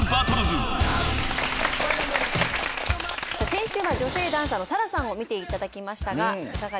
先週は女性ダンサーのＴａｒａさんを見ていただきましたがいかがでしたか？